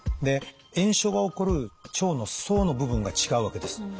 で炎症が起こる腸の層の部分が違うわけです。